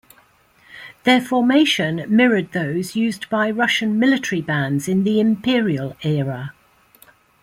Their formation mirrored those used by Russian military bands in the Imperial era.